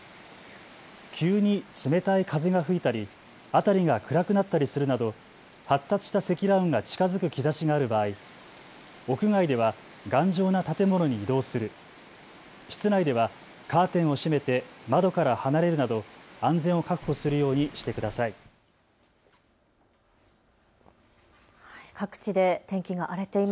急に冷たい風が吹いたり辺りが暗くなったりするなど発達した積乱雲が近づく兆しがある場合、屋外では頑丈な建物に移動する、室内ではカーテンを閉めて窓から離れるなど安全を確保するようにしてください。